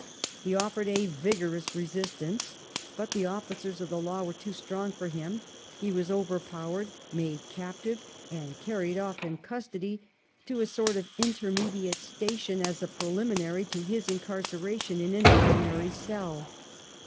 He offered a vigorous resistance, but the officers of the law were too strong for him ; he was overpowered, 16 THE REIGN OF QUEEN ANNE. ch. xxi. made captive, and carried off in custody to a sort of intermediate station as a preliminary to his incarcera tion in an ordinary cell.